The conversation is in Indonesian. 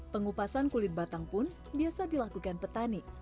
pengupasan kulit batang pun biasa dilakukan petani